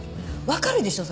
分かるでしょ？